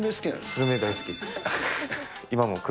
スルメ、大好きです。